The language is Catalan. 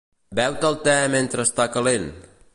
Beu-te el te mentre està calent.